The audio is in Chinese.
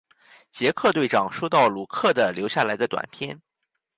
杰克队长收到鲁克的留下来的短片。